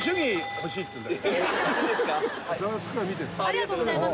ありがとうございます。